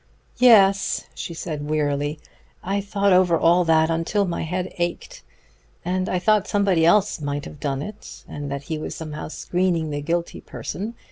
"Yes," she said wearily, "I thought over all that until my head ached. And I thought somebody else might have done it, and that he was somehow screening the guilty person.